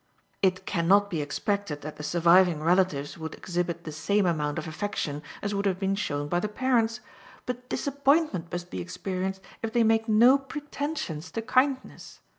It can not be expected that the surviving relatives would exhibit the same amount of affection as would have been shown by the parents, but disappointment must be experienced if they make no pretensions to kindness.